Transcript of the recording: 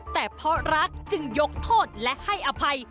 แต่เพราะรักจึงยกโทษและให้อภัย